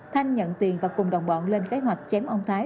thanh nhận tiền và cùng đồng bọn lên kế hoạch chém ông thái